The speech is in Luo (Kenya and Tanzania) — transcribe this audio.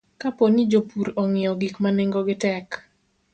Kapo ni jopur ong'iewo gik ma nengogi tek,